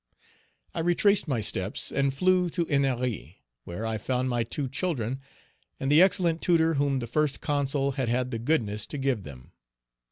I retraced my steps and flew to Ennery, where I found my two children and the excellent tutor whom the First Consul had had the goodness to give them.